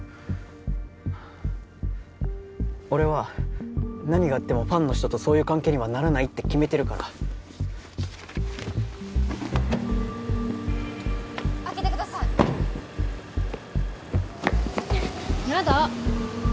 俺は何があってもファンの人とそういう関係にはならないって決めてるから開けてくださいやだ！